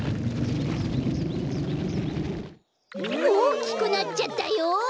おおきくなっちゃったよ！